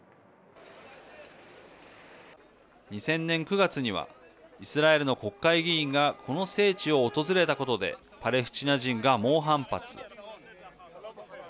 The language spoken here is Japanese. ２０００年９月にはイスラエルの国会議員がこの聖地を訪れたことでパレスチナ人が猛反発。